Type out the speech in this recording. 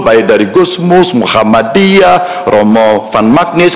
baik dari gusmus muhammadiyah romo van magnus